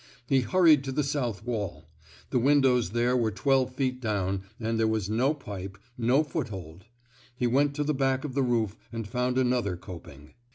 He hur ried to the south wall; the windows there were twelve feet down, and there was no pipe, no foothold. He went to the back of the roof and found another coping.